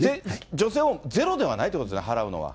女性もゼロではないということですね、払うのは。